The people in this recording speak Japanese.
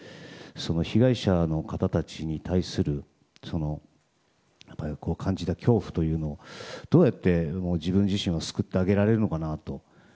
被害者の方たちに対する感じた恐怖というのをどうやって自分自身は救ってあげられるのかと。